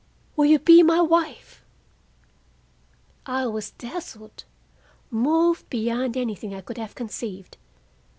Will you be my wife?" I was dazzled; moved beyond anything I could have conceived.